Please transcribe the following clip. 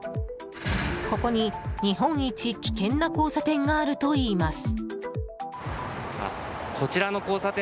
ここに日本一危険な交差点があるといいます。